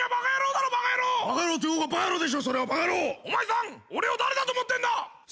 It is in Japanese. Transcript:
お前さん俺を誰だと思ってんだ！？